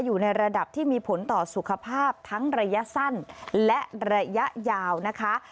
อยู่ในระดับที่มีผลต่อสุขภาพทั้งระยะสั้นและระยะยาวนะคะ